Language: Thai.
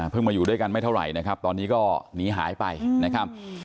มาอยู่ด้วยกันไม่เท่าไหร่นะครับตอนนี้ก็หนีหายไปนะครับ